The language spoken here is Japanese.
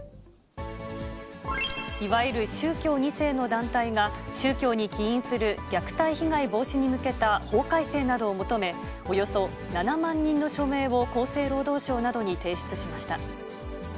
いわゆる宗教２世の団体が、宗教に起因する虐待被害防止に向けた法改正などを求め、およそ７万人の署名を厚生労働省などに提出しました。